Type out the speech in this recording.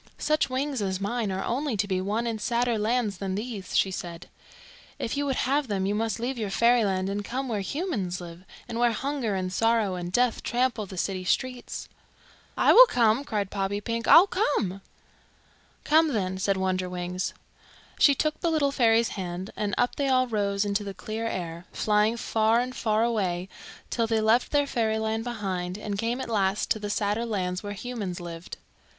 "Such wings as mine are only to be won in sadder lands than these," she said. "If you would have them you must leave your fairyland and come where humans live, and where hunger and sorrow and death trample the city streets." "I will come!" cried Poppypink. "I will come!" "Come then," said Wonderwings. She took the little fairy's hand, and up they all rose into the clear air, flying far and far away till they left their fairyland behind and came at last to the sadder lands where humans lived.